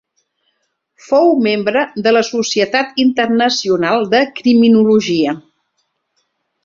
Fou membre de la Societat Internacional de Criminologia.